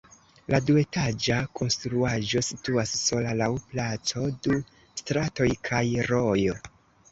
La duetaĝa konstruaĵo situas sola laŭ placo, du stratoj kaj rojo.